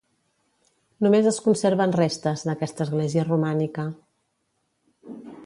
Només es conserven restes, d'aquesta església romànica.